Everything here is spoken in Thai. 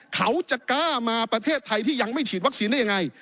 เขาจะกล้ามาประเทศไทยที่ยังไม่ฉีดวัคซีนได้ยังไง